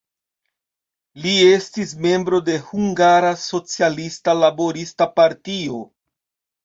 Li estis membro de Hungara Socialista Laborista Partio.